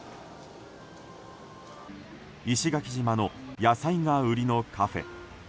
石垣島の野菜が売りのカフェ。